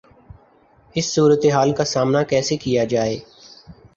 اس صورتحال کا سامنا کیسے کیا جائے؟